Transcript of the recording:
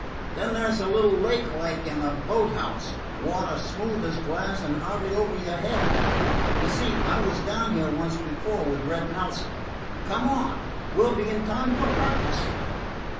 Then there 's a little lake like, and a boat house. Water smooth as glass and hardly over your head. You see, I was down here once before, with Red Nelson. Come on. We 'll be in in time for breakfast."